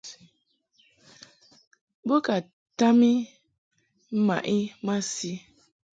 Bo ka tam I mmaʼ I masi.